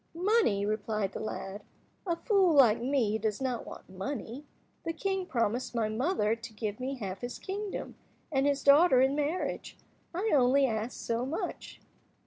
"Money," replied the lad, "a fool like me does not want money. The king promised my mother to give me half his kingdom, and his daughter in marriage. I only ask so much!"